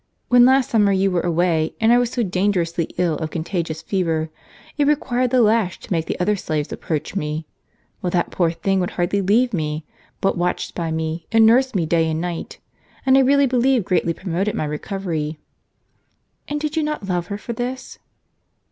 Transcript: When last summer you were away, and I was so dangerously ill of contagious fever, it required the lash to make the other slaves approach me; while that poor thing would hardly leave me, but watched by me, and nursed me day and night, and I really believe greatly promoted my recovery." " And did you not love her for this